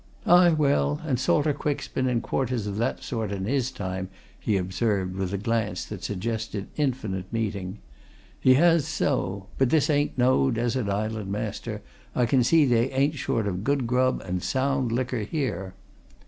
"Aye, well, and Salter Quick's been in quarters of that sort in his time," he observed, with a glance that suggested infinite meaning. "He has, so! But this ain't no desert island, master. I can see they ain't short of good grub and sound liquor here!"